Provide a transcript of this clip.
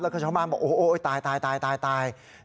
แล้วก็ช่องบ้านบอกโอ้โหตาย